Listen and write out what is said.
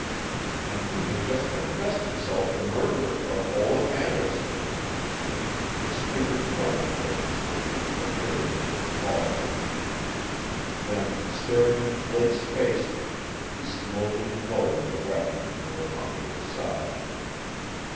And he had just confessed himself the murderer of Olaf Anderson! His finger trembled for an instant against the trigger of his revolver. Then, staring into Blake's face, he slowly lowered the weapon until it hung at his side.